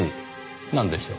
なんでしょう？